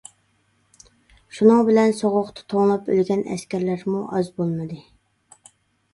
شۇنىڭ بىلەن سوغۇقتا توڭلاپ ئۆلگەن ئەسكەرلەرمۇ ئاز بولمىدى.